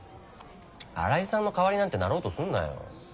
荒井さんの代わりなんてなろうとすんなよ。